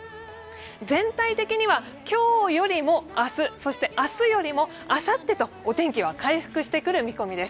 全体的には今日よりも明日、そして明日よりもあさってとお天気は回復してくる見込みです。